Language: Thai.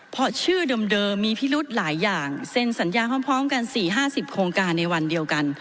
เพราะชื่อเดิมมีพิรุธหลายอย่างเซ็นสัญญาพร้อมกัน๔๕๐โครงการในวันเดียวกัน